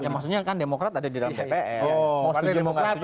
maksudnya kan demokrat ada di dalam dpr